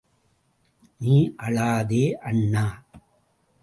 நீ அழாதே, அண்ணா.